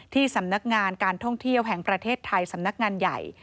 สำนักงานการท่องเที่ยวแห่งประเทศไทยสำนักงานใหญ่